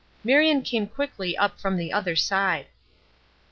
Marion came quickly up from the other side.